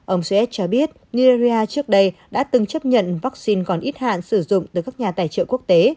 ông suet cho biết nigeria trước đây đã từng chấp nhận vaccine còn ít hạn sử dụng từ các nhà tài trợ quốc tế